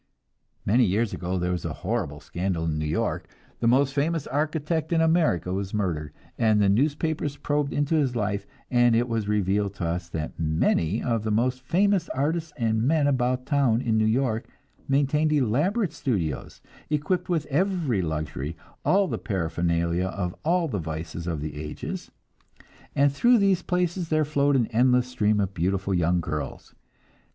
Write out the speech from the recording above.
Many years ago there was a horrible scandal in New York. The most famous architect in America was murdered, and the newspapers probed into his life, and it was revealed to us that many of the most famous artists and men about town in New York maintained elaborate studios, equipped with every luxury, all the paraphernalia of all the vices of the ages; and through these places there flowed an endless stream of beautiful young girls.